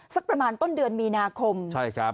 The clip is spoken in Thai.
สักประมาณต้นเดือนมีนาคมใช่ครับ